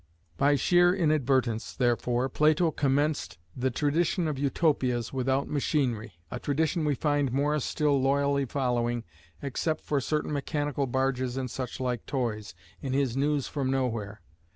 By sheer inadvertence, therefore, Plato commenced the tradition of Utopias without machinery, a tradition we find Morris still loyally following, except for certain mechanical barges and such like toys, in his News from Nowhere.